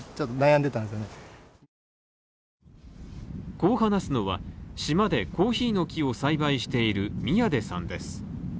こう話すのは、島でコーヒーの木を栽培している宮出さんです。